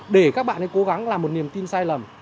để các bạn ấy cố gắng làm một niềm tin sai lầm